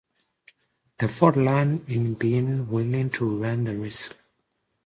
The fault lies in being willing to run the risk.